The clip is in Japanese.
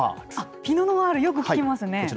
ピノ・ノワール、よく聞きますね。